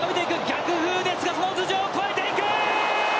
逆風ですがその頭上を越えていく！